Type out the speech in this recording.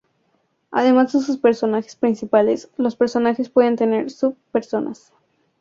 Además de sus Personas principales, los personajes pueden tener sub-Personas.